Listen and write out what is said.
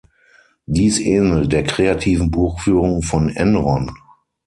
Dies ähnelt der kreativen Buchführung von Enron.